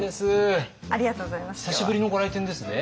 久しぶりのご来店ですね。